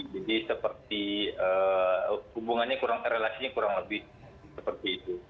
jadi hubungannya kurang lebih seperti itu